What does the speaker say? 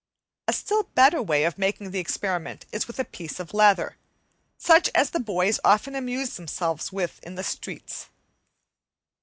A still better way of making the experiment is with a piece of leather, such as the boys often amuse themselves with in the streets.